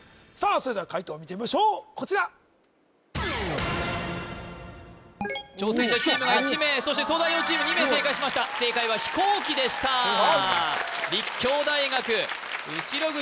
それでは解答見てみましょうこちら挑戦者チームが１名そして東大王チーム２名正解しました正解は飛行機でした立教大学後口